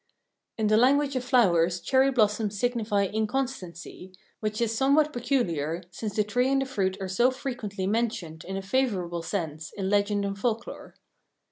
In the language of flowers cherry blossoms signify inconstancy, which is somewhat peculiar, since the tree and the fruit are so frequently mentioned in a favorable sense in legend and folklore.